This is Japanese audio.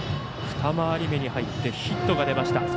２回り目に入ってヒットが出ました。